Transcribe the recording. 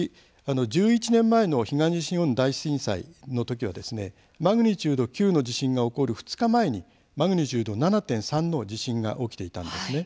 １１年前の東日本大震災の時はマグニチュード９の地震が起こる２日前にマグニチュード７．３の地震が起きていたんですね。